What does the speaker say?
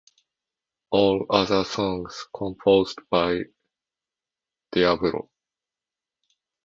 All other songs composed by Darediablo.